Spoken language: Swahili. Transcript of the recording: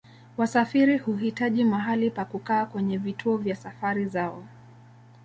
Wasafiri huhitaji mahali pa kukaa kwenye vituo vya safari zao.